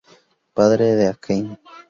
Padre de Akane.